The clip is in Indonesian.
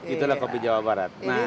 itulah kopi jawa barat